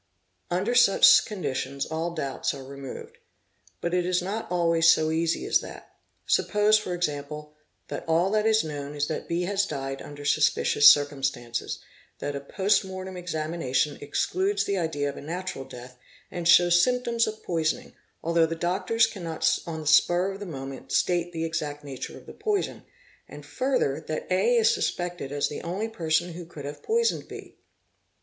Under such conditions all doubts are removed. But it is not always so easy as that. Suppose, for example, that all that is known is that B has died under suspicious circumstances, that a post mortem examination excludes the idea of a — natural death and shows symptoms of poisoning, although the doctors cannot on the spur of the moment state the exact nature of the poison, and further that A is suspected as the only person who could have poisoned B.